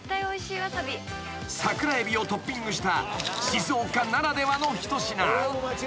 ［サクラエビをトッピングした静岡ならではの一品］